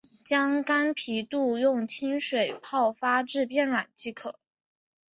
将干皮肚用清水泡发至变软即可。